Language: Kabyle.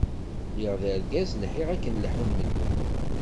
lliɣ d argaz lḥiɣ akken leḥḥun medden.